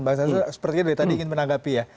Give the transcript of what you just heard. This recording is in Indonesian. bang sastra sepertinya dari tadi ingin menanggapi ya